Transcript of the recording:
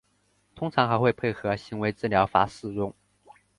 通常还会配合行为治疗法使用。